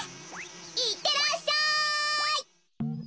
いってらっしゃい！